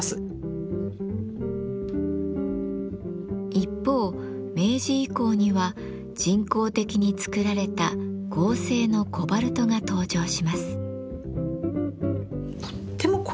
一方明治以降には人工的に作られた合成のコバルトが登場します。